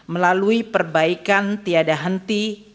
melalui perbaikan tiada henti